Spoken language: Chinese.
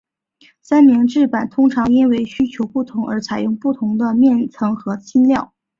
三明治板通常因为需求不同而采用不同的面层和芯材。